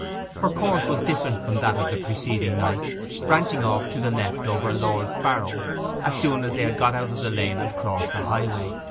Her course was different from that of the preceding night, branching off to the left over Lord's Barrow as soon as they had got out of the lane and crossed the highway.